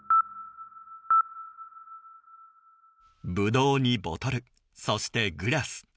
ブドウにボトル、そしてグラス。